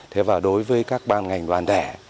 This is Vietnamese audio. thế và đối với các ban ngành đoàn thẻ